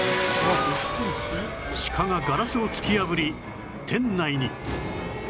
シカがガラスを突き破り店内に